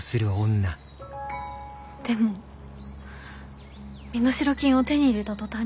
でも身代金を手に入れた途端に。